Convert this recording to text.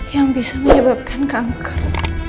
yang bisa menyebabkan kanker